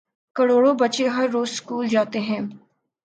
کروڑوں بچے ہر روزسکول جا تے ہیں۔